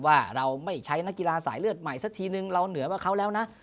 ว่าเราไม่ใช้นักกีฬาสายเลือดใหม่สักทีนึงเราเหนือกว่าเขาแล้วนะ